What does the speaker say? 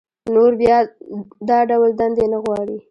نور بيا دا ډول دندې نه غواړي